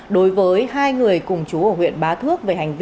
đối với hai người cùng chú ở huyện bá thước về hành vi